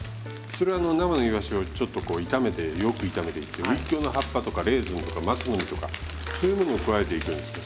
それは生のイワシをちょっとこう炒めてよく炒めてウイキョウの葉っぱとかレーズンとか松の実とかそういうものを加えていくんですよ。